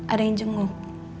ada yang jenguk